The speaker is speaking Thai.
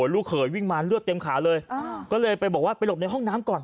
ลูกเขยวิ่งมาเลือดเต็มขาเลยก็เลยไปบอกว่าไปหลบในห้องน้ำก่อน